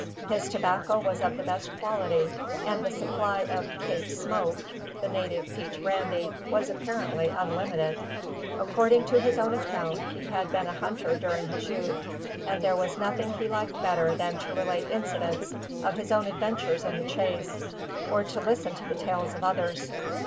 His tobacco was of the best quality, and the supply of "Cape Smoke" the native peach brandy was apparently unlimited. According to his own account, he had been a great hunter during his youth; and there was nothing he liked better than to relate incidents of his own adventures in the chase, or to listen to the tales of others.